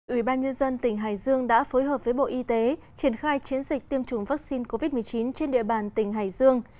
ủy ban nhân dân tỉnh hải dương đã phối hợp với bộ y tế triển khai chiến dịch tiêm chủng vaccine covid một mươi chín trên địa bàn tỉnh hải dương